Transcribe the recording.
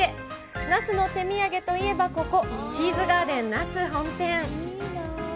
那須の手土産といえば、ここ、チーズガーデン那須本店。